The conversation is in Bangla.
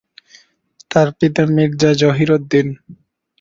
তার পিতা মীর্জা জহির উদ্দিন।